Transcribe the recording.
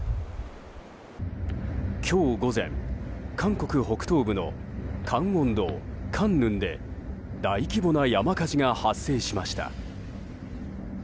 今日午前、韓国北東部のカンウォン道カンヌンで大規模な山火事が発生しました。